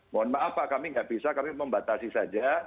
mohon maaf pak kami nggak bisa kami membatasi saja